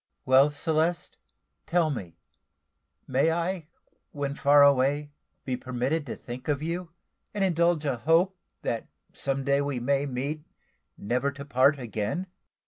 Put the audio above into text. "Well, Celeste, tell me, may I, when far away, be permitted to think of you, and indulge a hope that some day we may meet never to part again?"